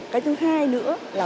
cái thứ hai nữa là